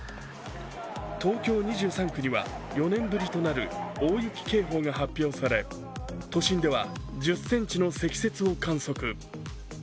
東京２３句には４年ぶりとなる大雪警報が発表され都心では１０ｃｍの積雪を観測。